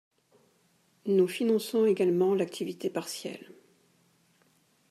Nous finançons également l’activité partielle.